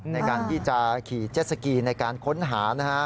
ในการที่จะขี่เซ็ตเซอกีในการค้นหา